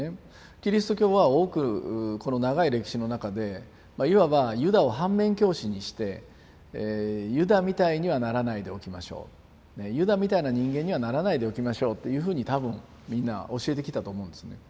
キリスト教は多くこの長い歴史の中でいわばユダを反面教師にしてユダみたいにはならないでおきましょうユダみたいな人間にはならないでおきましょうっていうふうに多分みんな教えてきたと思うんですね。